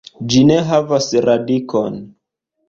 Ĝi ne havas radikon.